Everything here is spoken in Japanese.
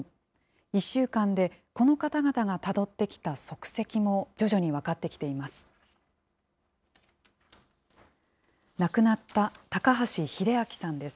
１週間でこの方々がたどってきた足跡も徐々に分かってきています。